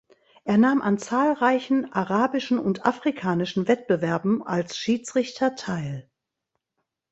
Er nahm an zahlreichen arabischen und afrikanischen Wettbewerben als Schiedsrichter teil.